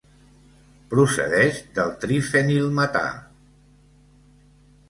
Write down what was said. Procedeix del trifenilmetà.